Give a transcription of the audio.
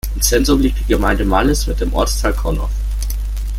Im Zentrum liegt die Gemeinde Malliß mit dem Ortsteil Conow.